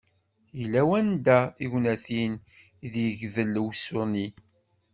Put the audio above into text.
Yella wanda, tignatin i deg yegdel uṣuni.